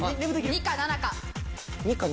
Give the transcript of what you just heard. ２か７か。